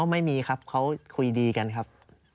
ไม่มีครับเขาคุยดีกันครับ